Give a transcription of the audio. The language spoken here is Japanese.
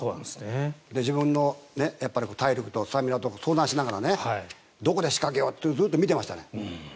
自分の体力とスタミナと相談しながらどこで仕掛けようとずっと見てましたね。